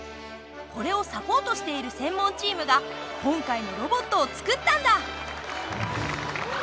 これをサポートしている専門チームが今回のロボットを作ったんだ。